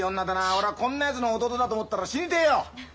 俺はこんなやつの弟だと思ったら死にてえよ！